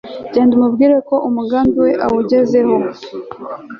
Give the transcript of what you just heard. genda umubwire ko umugambi we awugezeho